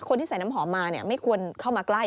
คนที่ใส่น้ำหอมมาไม่ควรเข้ามาใกล้